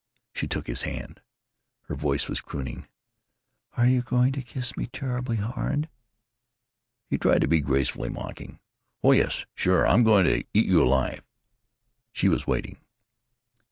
She took his hand. Her voice was crooning, "Are you going to kiss me terribly hard?" He tried to be gracefully mocking: "Oh yes! Sure! I'm going to eat you alive." She was waiting.